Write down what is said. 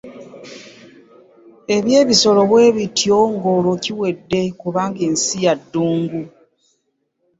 Eby'ebisolo bwe bityo ng'olwo kiwedde kubanga ensi ya ddungu.